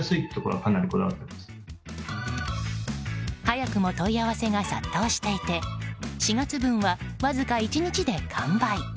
早くも問い合わせが殺到していて４月分は、わずか１日で完売。